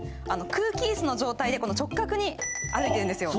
空気いすの状態で直角に歩いてるんですよ